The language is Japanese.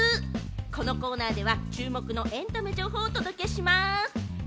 このコーナーでは注目のエンタメ情報をお届けします。